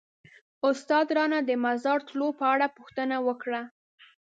استاد رانه د مزار تلو په اړه پوښتنه وکړه.